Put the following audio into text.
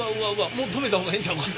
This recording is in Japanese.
もう止めた方がええんちゃうか。